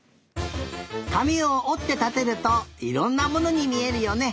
かみをおってたてるといろんなものにみえるよね！